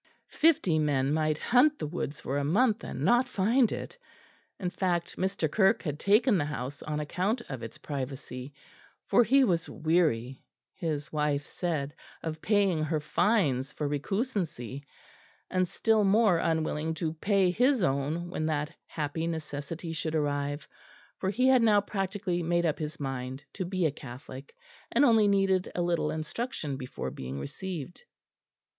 Fifty men might hunt the woods for a month and not find it; in fact, Mr. Kirke had taken the house on account of its privacy, for he was weary, his wife said, of paying her fines for recusancy; and still more unwilling to pay his own, when that happy necessity should arrive; for he had now practically made up his mind to be a Catholic, and only needed a little instruction before being received.